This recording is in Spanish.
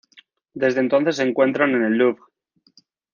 Desde entonces se encuentran en el Louvre.